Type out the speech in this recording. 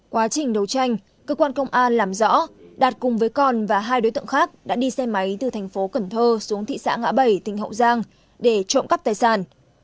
quá trình đấu tranh cơ quan công an làm rõ đạt cùng với còn và hai đối tượng khác đã đi xe máy từ thành phố cần thơ xuống thị xã ngã bảy tỉnh hậu giang để trộm cắp tài sản